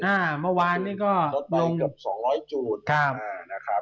เมื่อวานนี้ก็ลดไปเกือบสองร้อยจุดครับอ่านะครับ